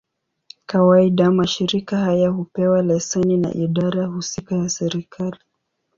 Kawaida, mashirika haya hupewa leseni na idara husika ya serikali.